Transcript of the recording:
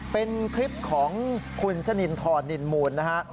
เป็นคลิปของคุณชะนินทรนินมูลนะฮะ